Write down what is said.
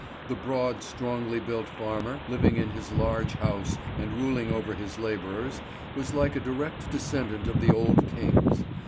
The broad, strongly built farmer, living in his large house and ruling over his labourers, was like a direct descendant of the old kings.